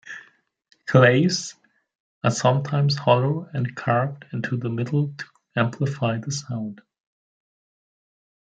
Claves are sometimes hollow and carved in the middle to amplify the sound.